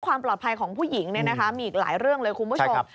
ความปลอดภัยของผู้หญิงมีอีกหลายเรื่องเลยคุณผู้ชม